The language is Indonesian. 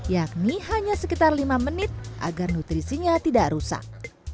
yakni hanya sekitar lima menit agar nutrisinya tidak rusak